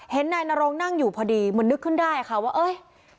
นายนโรงนั่งอยู่พอดีเหมือนนึกขึ้นได้ค่ะว่าเอ้ย